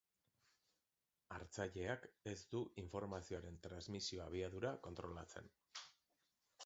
Hartzaileak ez du informazioaren transmisio abiadura kontrolatzen.